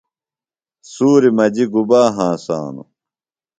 سُوری مجیۡ گُبا ہنسانوۡ؟